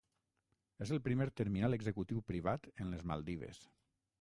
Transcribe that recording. És el primer terminal executiu privat en les Maldives.